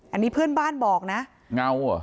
อันนี้เพื่อนบ้านบอกนะ